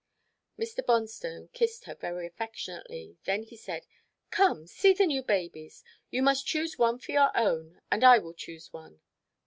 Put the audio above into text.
Mr. Bonstone kissed her very affectionately, then he said, "Come, see the new babies. You must choose one for your own, and I will choose one."